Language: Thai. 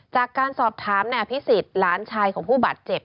จากการสอบถามในอภิษฐ์ร้านชายของผู้บัตรเจ็บ